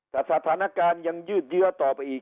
แต่สถานการณ์ยังยืดเยื้อต่อไปอีก